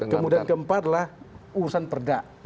kemudian keempat adalah urusan perda